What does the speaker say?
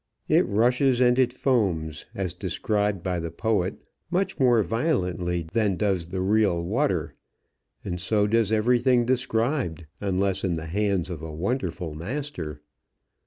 It rushes and it foams, as described by the poet, much more violently than does the real water; and so does everything described, unless in the hands of a wonderful master.